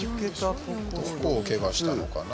どこをけがしたのかな？